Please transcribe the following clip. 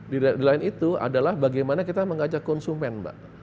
di lain itu adalah bagaimana kita mengajak konsumen mbak